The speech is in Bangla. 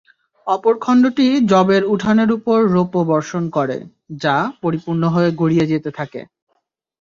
অপর খণ্ডটি যবের ঊঠানের উপর রৌপ্য বর্ষণ করে—যা পরিপূর্ণ হয়ে গড়িয়ে যেতে থাকে।